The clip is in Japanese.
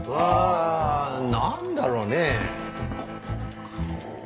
なんだろうね？